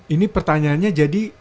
ini pertanyaannya jadi